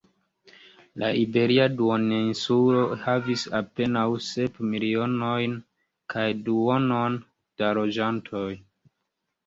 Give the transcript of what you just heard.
La Iberia Duoninsulo havis apenaŭ sep milionojn kaj duonon da loĝantoj.